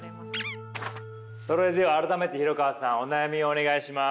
それでは改めて廣川さんお悩みをお願いします。